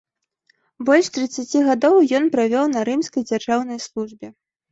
Больш трыццаці гадоў ён правёў на рымскай дзяржаўнай службе.